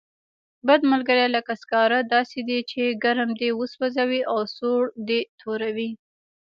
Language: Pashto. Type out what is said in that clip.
بد ملګری لکه سکاره داسې دی، چې ګرم دې سوځوي او سوړ دې توروي.